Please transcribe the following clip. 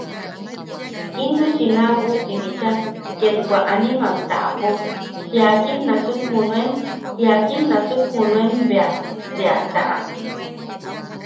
Intuchi naabusti bicha ket wa animam taʼapo jiakim nasuk junuen jiakim nasuk junuen bea te a taʼa.